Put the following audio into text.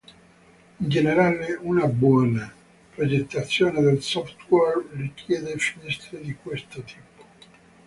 In generale, una buona progettazione del software richiede finestre di questo tipo.